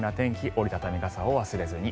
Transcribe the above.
折り畳み傘を忘れずに。